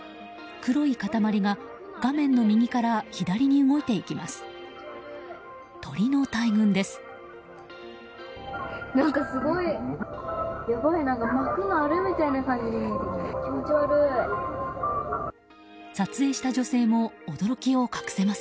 黒い塊が画面の右から左に動いていきます。